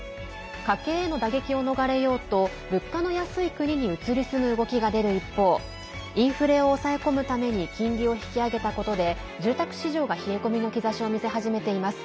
家計への打撃を逃れようと物価の安い国に移り住む動きが出る一方インフレを抑え込むために金利を引き上げたことで住宅市場が冷え込みの兆しを見せ始めています。